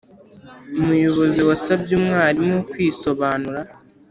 Umuyobozi wasabye umwarimu kwisobanura